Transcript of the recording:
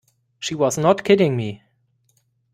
She was not kidding me.